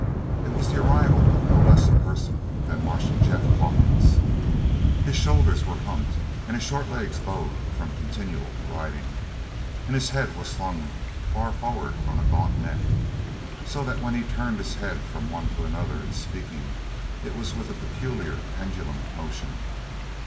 It was the arrival of no less a person than Marshal Jeff Calkins. His shoulders were humped and his short legs bowed from continual riding, and his head was slung far forward on a gaunt neck; so that when he turned his head from one to another in speaking it was with a peculiar pendulum motion.